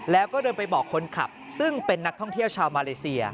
แล้วก็เดินไปบอกคนขับซึ่งเป็นนักท่องเที่ยวชาวมาเลเซีย